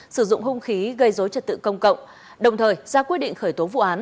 sử dụng hung khí gây dối trật tự công cộng đồng thời ra quyết định khởi tố vụ án